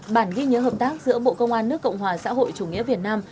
bản ghi nhớ hợp tác giữa bộ công an nước cộng hòa xã hội chủ nghĩa việt nam